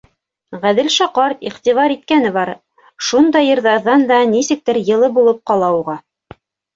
Ғәҙелша ҡарт иғтибар иткәне бар, шундай йырҙарҙан да нисектер йылы булып ҡала уға.